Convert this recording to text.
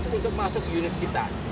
akses untuk masuk unit kita